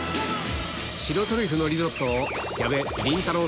白トリュフのリゾットを矢部りんたろー。